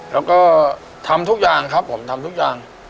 แล้วก็ทำทุกอย่างครับผมทำทุกอย่าง